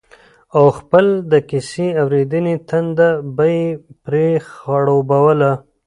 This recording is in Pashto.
او خپل د کيسې اورېدنې تنده به يې پرې خړوبوله